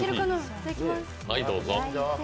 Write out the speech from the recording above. いただきます。